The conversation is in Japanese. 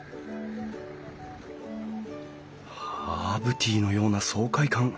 ハーブティーのような爽快感。